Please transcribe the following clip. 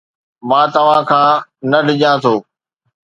مان توهان کان نه ڊڄان ٿو